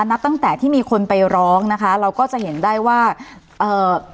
นับตั้งแต่ที่มีคนไปร้องนะคะเราก็จะเห็นได้ว่าเอ่อ